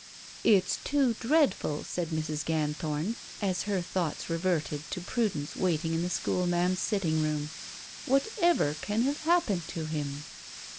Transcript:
"It's too dreadful," said Mrs. Ganthorn, as her thoughts reverted to Prudence waiting in the school ma'am's sitting room. "Whatever can have happened to him?"